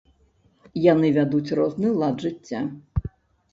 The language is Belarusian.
Яны вядуць розны лад жыцця.